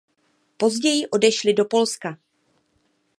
Později odešli do Polska.